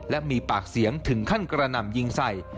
และมีปากเสียงถึงขั้นกระหน่ำยิงใส่